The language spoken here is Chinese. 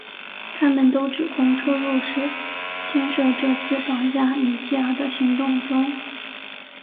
他们都指控车路士牵涉这次绑架米基尔的行动中。